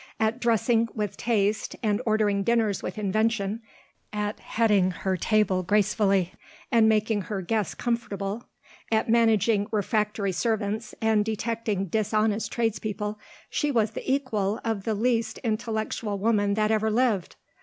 At dressing with taste, and ordering dinners with invention; at heading her table gracefully, and making her guests comfortable; at managing refractory servants and detecting dishonest tradespeople, she was the equal of the least intellectual woman that ever lived.